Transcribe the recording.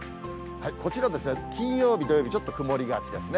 こちら、金曜日、土曜日ちょっと曇りがちですね。